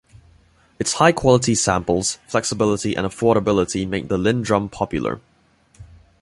Its high-quality samples, flexibility and affordability made the LinnDrum popular.